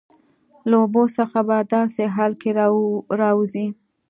له اوبو څخه په داسې حال کې راوځي